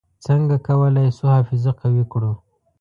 څنګه کولای شو حافظه قوي کړو؟